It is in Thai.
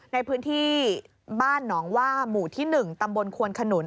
ในพื้นที่บ้านหนองว่าหมู่ที่๑ตำบลควนขนุน